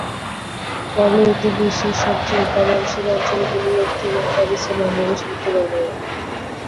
ফলে এটি বিশ্বের সবচেয়ে উৎপাদনশীল অঞ্চলগুলির একটি এবং প্যারিস ও লন্ডনের সাথে তুলনীয়।